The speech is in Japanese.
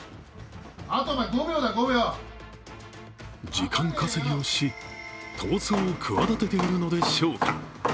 時間稼ぎをし、逃走を企てているのでしょうか。